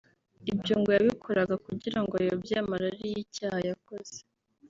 Ibyo ngo yabikoraga kugirango ayobye amarari y’icyaha yakoze